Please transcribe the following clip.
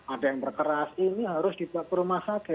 ada yang berkeras ini harus dibuat perumahan saja